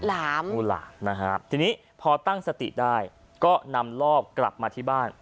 หลามงูหลามนะฮะทีนี้พอตั้งสติได้ก็นำลอบกลับมาที่บ้าน